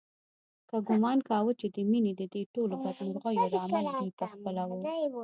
دوی ګومان کاوه چې د مينې ددې ټولو بدمرغیو لامل دوی په خپله و